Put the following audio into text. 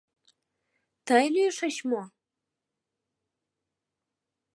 — Тый лӱйышыч мо?